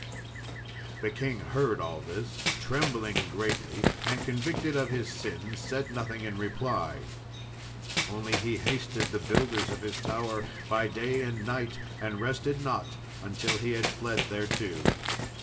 The king heard all this, trembling greatly; and, convicted of his sins, said nothing in reply. Only he hasted the builders of his tower by day and night, and rested not till he had fled thereto.